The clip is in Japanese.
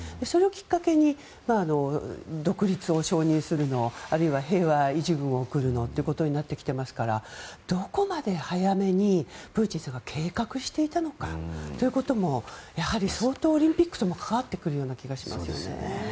それをきっかけに独立を承認するあるいは、平和維持軍を送るのということになってきていますからどこまで早めにプーチンさんが計画していたのかといこともやはり、相当オリンピックとも関わってくるような気がします。